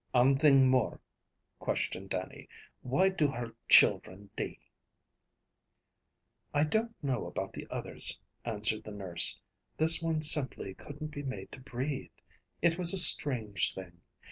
"Ane thing more," questioned Dannie. "Why do her children dee?" "I don't know about the others," answered the nurse. "This one simply couldn't be made to breathe. It was a strange thing.